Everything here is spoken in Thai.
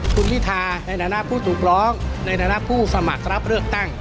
คุณวิทาในหน้าผู้ถูกร้องในหน้าผู้สมัครรับเลือกตั้ง